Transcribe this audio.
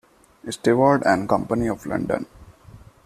Steward and Company of London.